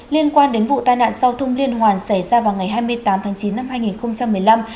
liên quan đến vụ tai nạn giao thông liên hoàn xảy ra vào ngày hai mươi tám tháng chín năm hai nghìn một mươi năm